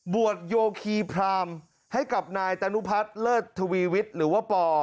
บวชโยคีพรามให้กับนายตานุพัฒน์เลิศทวีวิทย์หรือว่าปอ